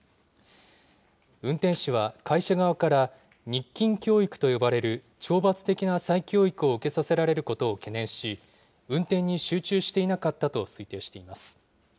運転士は会社側から日勤教育と呼ばれる懲罰的な再教育を受けさせられることを懸念し、運転に集中していなかったと推定しています。